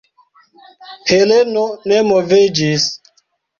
Heleno ne moviĝis.